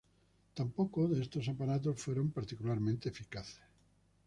Tampoco de estos aparatos fueron particularmente eficaces.